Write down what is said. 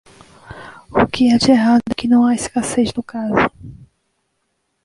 O que há de errado é que não há escassez no caso.